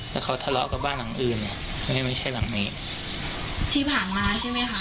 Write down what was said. แล้วเขาทะเลาะกับบ้านหลังอื่นอ่ะไม่ใช่ไม่ใช่หลังนี้ที่ผ่านมาใช่ไหมคะ